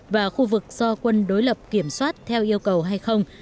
và khu vực do quân đối lập kiểm soát theo yêu cầu hay không